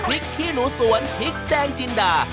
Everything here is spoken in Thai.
ขี้หนูสวนพริกแดงจินดา